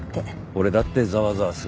俺だってざわざわする。